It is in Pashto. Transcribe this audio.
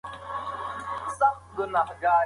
ما د خپلې خور لپاره یو نوی جوړه غوږوالۍ واخیستې.